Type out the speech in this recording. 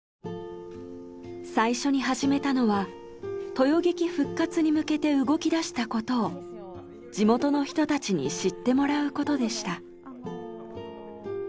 最初に始めたのは豊劇復活に向けて動きだしたことを地元の人たちに知ってもらうことでした。